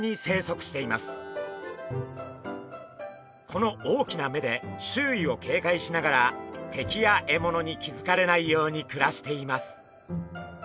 この大きな目で周囲をけいかいしながら敵や獲物に気付かれないように暮らしています。